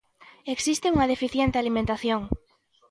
Existe unha deficiente alimentación.